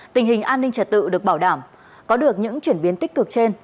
tình hình an ninh trật tự được bảo đảm có được những chuyển biến tích cực trên